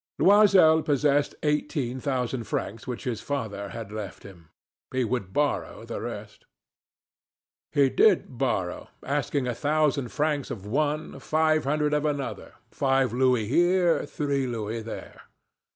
Loisel possessed eighteen thousand francs which his father had left him. He would borrow the rest. He did borrow, asking a thousand francs of one, five hundred of another, five louis here, three louis there.